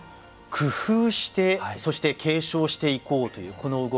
工夫してそして継承していこうというこの動き